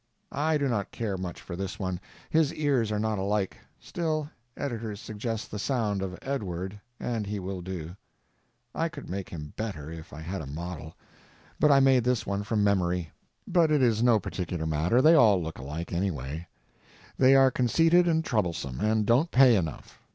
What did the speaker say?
I do not care much for this one; his ears are not alike; still, editor suggests the sound of Edward, and he will do. I could make him better if I had a model, but I made this one from memory. But it is no particular matter; they all look alike, anyway. They are conceited and troublesome, and don't pay enough.